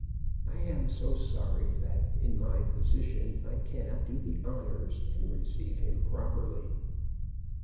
I am so sorry that in my position I cannot do the honors and receive him properly.